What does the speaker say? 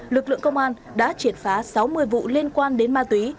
lực lượng công an đã triệt phá sáu mươi vụ liên quan đến ma túy